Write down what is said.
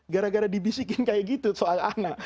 gara gara dibisikin kayak gitu soal anak